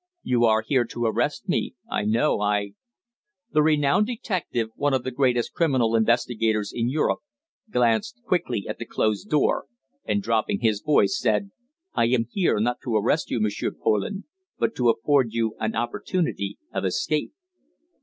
"You are here to arrest me I know. I " The renowned detective one of the greatest criminal investigators in Europe glanced quickly at the closed door, and, dropping his voice, said "I am here, not to arrest you, M'sieur Poland but to afford you an opportunity of escape."